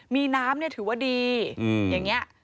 มีน้ำถือว่าดีอย่างนี้